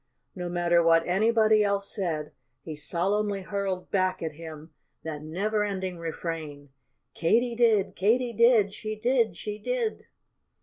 No matter what anybody else said, he solemnly hurled back at him that neverending refrain, _Katy did, Katy did; she did, she did!